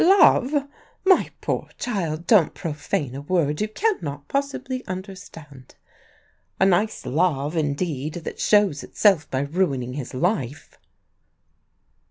"'Love!' My poor child, don't profane a word you cannot possibly understand. A nice love, indeed, that shows itself by ruining his life!"